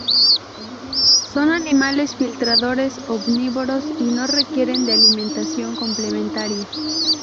Son animales filtradores omnívoros y no requieren de alimentación complementaria.